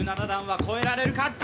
１７段は越えられるか？